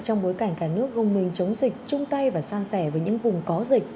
trong bối cảnh cả nước gồm mình chống dịch trung tay và san sẻ với những vùng có dịch